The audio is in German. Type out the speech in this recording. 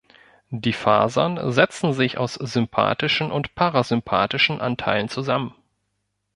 Die Fasern setzen sich aus sympathischen und parasympathischen Anteilen zusammen.